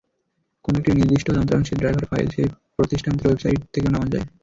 কোনো একটি নির্দিষ্ট যন্ত্রাংশের ড্রাইভার ফাইল সেই প্রতিষ্ঠানটির ওয়েবসাইট থেকেও নামানো যায়।